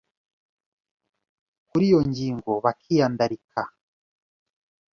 kuri iyo ngingo bakiyandarika